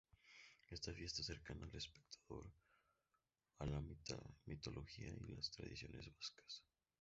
Esta fiesta acerca al espectador a la mitología y a las tradiciones vascas.